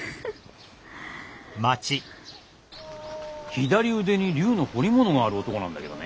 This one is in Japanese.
左腕に竜の彫り物がある男なんだけどね。